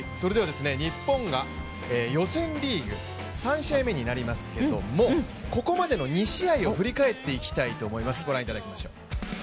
日本が予選リーグ、３試合目になりますけども、ここまでの２試合を振り返っていきたいと思います。